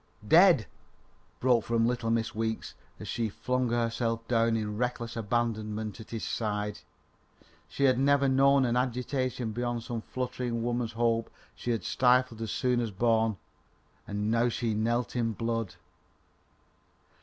"Dead!" broke from little Miss Weeks as she flung herself down in reckless abandonment at his side. She had never known an agitation beyond some fluttering woman's hope she had stifled as soon as born, and now she knelt in blood.